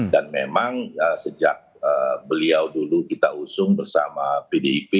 dan memang sejak beliau dulu kita usung bersama pdip